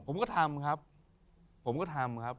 ผมก็ทำครับผมก็ทำครับ